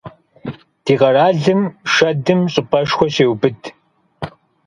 Ди къэралым шэдым щӀыпӀэшхуэ щеубыд.